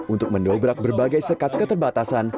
untuk mendobrak berbagai sekat keterbatasan